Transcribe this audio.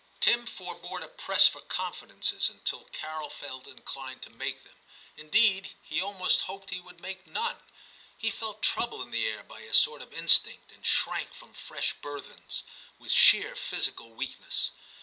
Tim forbore to press for confidences until Carol felt inclined s 258 TIM CHAP. to make them ; indeed, he almost hoped he would make none ; he felt trouble in the air by a sort of instinct, and shrank from fresh burthens, with sheer physical weakness.